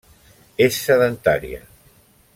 És sedentària.